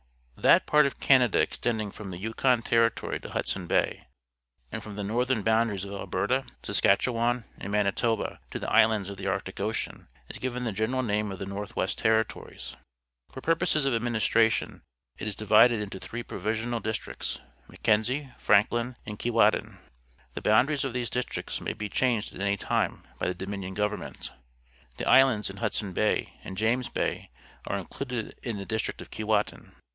— That part of Canada extending from the Yukon Ter ritory to Hudson Bay, and from the northern boundaries of Alberta, Saskatchewan, and The Prince of Wales inspecting the Royal Canadian Mounted Police Manitoba to the islands of the Arctic Ocean, is given the general name of the Northuiest Territories. For purposes of administration it is divided into three provisional districts — Mackenzie, Franklin, and Keewatin. The boundaries of these districts may be changed at any time by the Dominion Government. The islands in Hudson Bay and James Bay are included in the district of Keewatin.